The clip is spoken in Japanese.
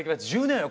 「１０年愛」